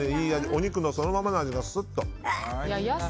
お肉のそのままの味がスッと。